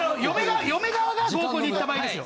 嫁側が合コンに行った場合ですよ。